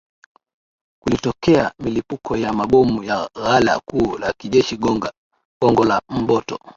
Kulitokea milipuko ya mabomu ya ghala kuu la kijeshi gongo la mboto